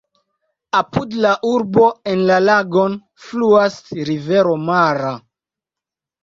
Apud la urbo en la lagon fluas rivero Mara.